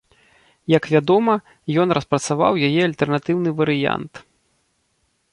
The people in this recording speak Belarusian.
Як вядома, ён распрацаваў яе альтэрнатыўны варыянт.